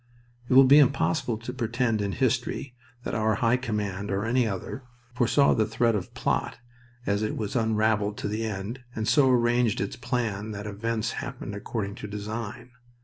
It will be impossible to pretend in history that our High Command, or any other, foresaw the thread of plot as it was unraveled to the end, and so arranged its plan that events happened according to design.